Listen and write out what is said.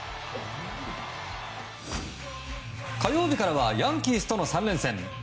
火曜日からはヤンキースとの３連戦。